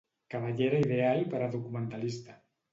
Cabellera ideal per a la documentalista.